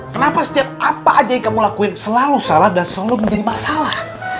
kenapa setiap apa aja yang kamu lakuin selalu salah dan selalu menjadi masalah